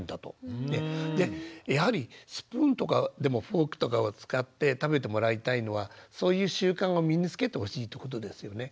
でやはりスプーンとかでもフォークとかを使って食べてもらいたいのはそういう習慣を身につけてほしいってことですよね。